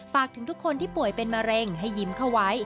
ฝากถึงทุกคนที่ป่วยเป็นมะเร็งให้ยิ้มเข้าไว้